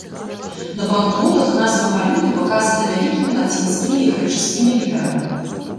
На банкнотах назва валюты паказана вялікімі лацінскімі і грэчаскімі літарамі.